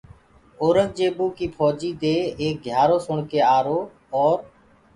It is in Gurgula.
اورنٚگجيبو ڪيٚ ڦوجيٚ دي ايڪ گھيآرو سُڻ ڪي آرو اور